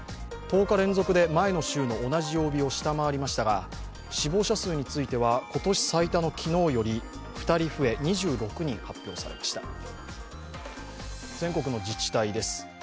１０日連続で前の週の同じ曜日を下回りましたが死亡者数については今年最多の昨日より２人増え、２６人発表されました。